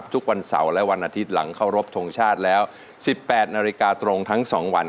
ทุกวันเสาร์และวันอาทิตย์หลังเคารพทงชาติแล้ว๑๘นาฬิกาตรงทั้ง๒วัน